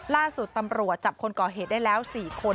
ล่าสุดตำรวจจับคนก่อเหตุได้แล้ว๔คน